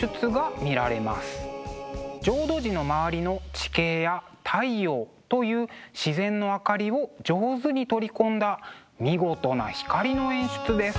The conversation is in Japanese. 浄土寺の周りの地形や太陽という自然の明かりを上手に取り込んだ見事な光の演出です。